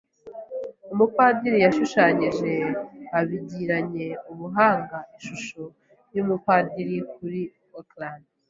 Umupadiri yashushanyije abigiranye ubuhanga ishusho yumupadiri kuri ecran.